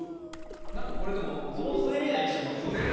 何かこれでも雑炊みたいにしてもおいしそうっすね。